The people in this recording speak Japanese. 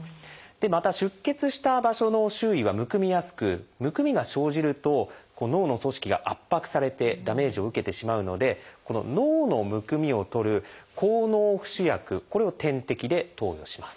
また出血した場所の周囲はむくみやすくむくみが生じると脳の組織が圧迫されてダメージを受けてしまうので脳のむくみを取る「抗脳浮腫薬」これを点滴で投与します。